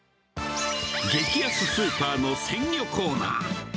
激安スーパーの鮮魚コーナー。